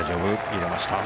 入れました。